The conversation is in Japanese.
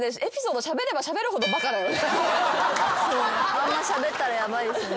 あんましゃべったらヤバいですよね。